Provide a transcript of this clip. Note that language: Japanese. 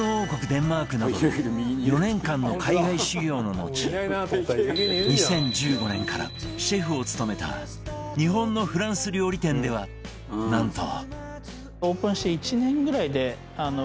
デンマークなどで４年間の海外修業ののち２０１５年からシェフを務めた日本のフランス料理店ではなんと